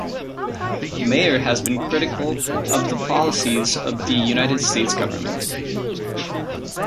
Mayer has been critical of the policies of the United States government.